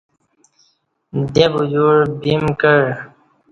دیں بدیوع بیم کع